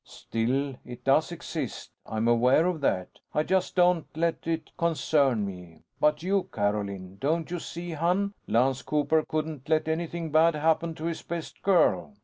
Still, it does exist. I'm aware of that. I just don't let it concern me. But you, Carolyn don't you see, hon? Lance Cooper couldn't let anything bad happen to his best girl."